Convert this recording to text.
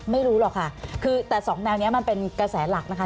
ไม่รู้หรอกค่ะคือแต่สองแนวนี้มันเป็นกระแสหลักนะคะ